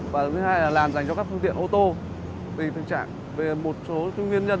vì tình trạng về một số nguyên nhân